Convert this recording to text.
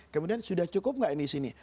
kemudian sudah cukup nggak yang disini